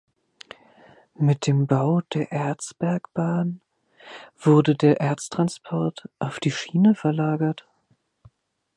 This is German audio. Mit dem Bau der Erzbergbahn wurde der Erztransport auf die Schiene verlagert.